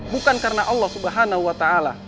bukan karena allah swt